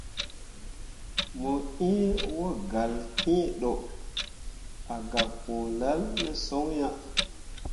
Mo ĩĩ wogalle hĩĩ ro gak pũũlil ne son ah.